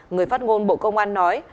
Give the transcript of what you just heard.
người phát ngôn bộ công an nói